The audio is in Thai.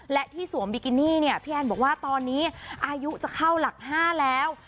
และที่สวมบิกินี่เนี่ยพี่แอนบอกว่าตอนนี้อายุจะเข้าหลัก๕แล้ว